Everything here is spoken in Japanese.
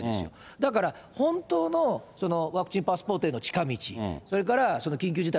だから本当のワクチンパスポートへの近道、それからその緊急事態